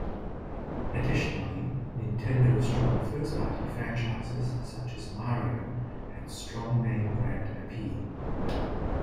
Additionally, Nintendo's strong first-party franchises such as "Mario" had strong name brand appeal.